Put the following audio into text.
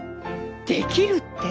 できるって」。